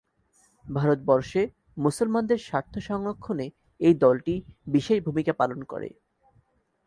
ভারতবর্ষে মুসলমানদের স্বার্থ সংরক্ষণে এই দলটি বিশেষ ভূমিকা পালন করে।